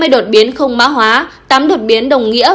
năm mươi đột biến không má hóa tám đột biến đồng nghĩa